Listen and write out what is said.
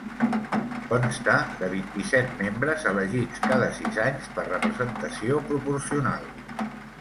Consta de vint-i-set membres, elegits cada sis anys per representació proporcional.